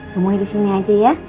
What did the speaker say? semuanya disini aja ya